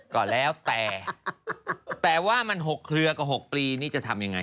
ก็แล้วแต่แต่ว่ามัน๖เครือกับ๖ปีนี่จะทำยังไง